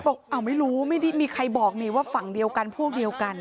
บอกไม่รู้มีใครบอกมีว่าฝั่งเดียวกันพวกเดียวกัน